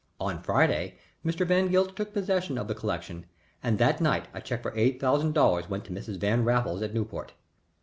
On Friday Mr. Van Gilt took possession of the collection, and that night a check for eight thousand dollars went to Mrs. Van Raffles at Newport.